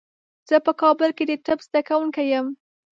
زه په کابل کې د طب زده کوونکی یم.